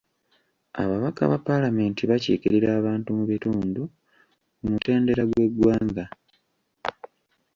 Ababaka ba palamenti bakiikirira abantu mu bitundu ku mutendera gw'eggwanga.